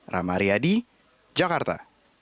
ramari adi jakarta